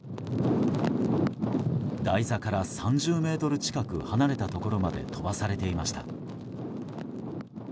台座から３０ｍ近く離れたところまで飛ばされていました。